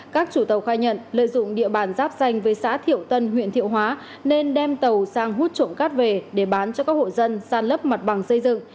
các chủ tàu khai nhận lợi dụng địa bàn giáp danh với xã thiệu tân huyện thiệu hóa nên đem tàu sang hút trộm cát về để bán cho các hộ dân san lấp mặt bằng xây dựng